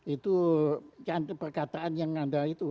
itu cantik perkataan yang anda itu